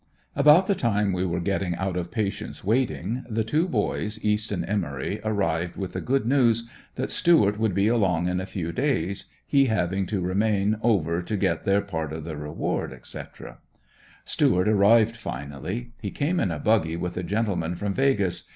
About the time we were getting out of patience waiting, the two boys, East and Emory, arrived with the good news that Stuart would be along in a few days, he having to remain over to get their part of the reward, etc. Stuart arrived finally; he came in a buggy with a gentleman from "Vegas."